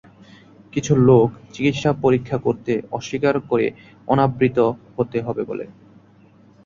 কিছু লোক চিকিৎসা পরীক্ষা করতে অস্বীকার করে অনাবৃত হতে হবে বলে।